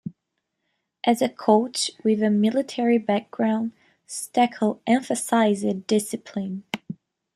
As a coach with a military background, Steckel emphasized discipline.